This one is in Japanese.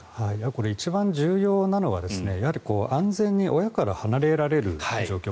これ、一番重要なのは安全に親から離れられる状況。